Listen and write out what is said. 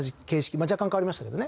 まあ若干変わりましたけどね。